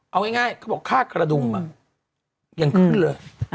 เอาง่ายเขาบอกค่ากระดุมยังขึ้นเลย